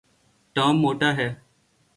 Tom موٹا ہے